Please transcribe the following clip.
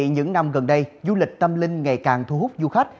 những năm gần đây du lịch tâm linh ngày càng thu hút du khách